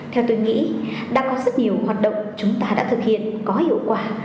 theo tôi nghĩ đã có rất nhiều hoạt động chúng ta đã thực hiện có hiệu quả